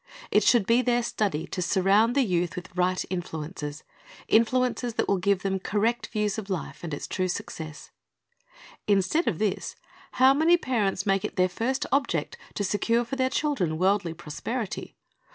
It should be their study to surround the youth with right influences, influences that will give them correct views of life and its true success. Instead of this, how many parents make it their first object to secure for their children worldly prosperity.